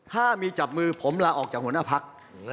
ถ้ามีจับมือผมลาออกจากหัวหน้าพัก